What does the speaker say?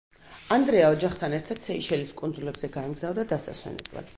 ანდრეა ოჯახთან ერთად სეიშელის კუნძულებზე გაემგზავრა დასასვენებლად.